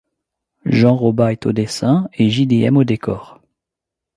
Jean Roba est au dessin et Jidéhem aux décors.